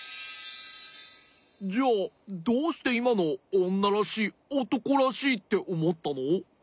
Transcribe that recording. じゃあどうしていまのをおんならしいおとこらしいっておもったの？